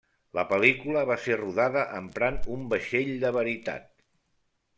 La pel·lícula va ser rodada emprant un vaixell de veritat.